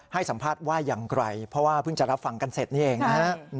ให้สัมภาษณ์ว่าอย่างไรเพราะว่าเพิ่งจะรับฟังกันเสร็จนี่เองนะฮะ